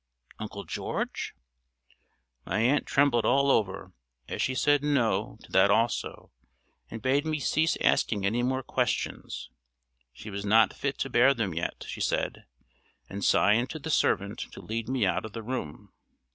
Uncle George? My aunt trembled all over as she said No to that also, and bade me cease asking any more questions. She was not fit to bear them yet she said, and signed to the servant to lead me out of the room.